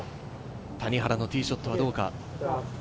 谷原のティーショットはどうか？